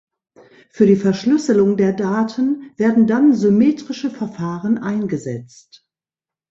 Für die Verschlüsselung der Daten werden dann symmetrische Verfahren eingesetzt.